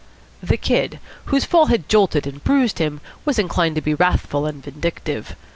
The Kid, whose fall had jolted and bruised him, was inclined to be wrathful and vindictive.